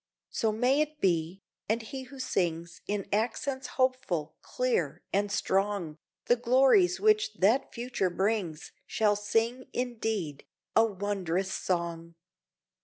..... So may it be, and he who sings In accents hopeful, clear, and strong, The glories which that future brings Shall sing, indeed, a wond'rous song.